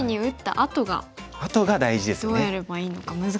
あとが大事ですね。